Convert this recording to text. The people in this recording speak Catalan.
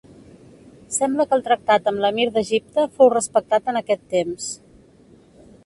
Sembla que el tractat amb l'emir d'Egipte fou respectat en aquest temps.